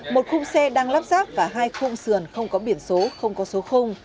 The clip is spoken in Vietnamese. một khung xe đang lắp ráp và hai khung sườn không có biển số không có số